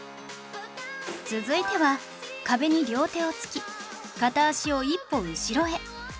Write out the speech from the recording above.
続いては壁に両手をつき片足を一歩後ろへ